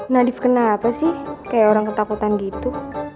nadif kenapa sih kayak orang ketakutan gitu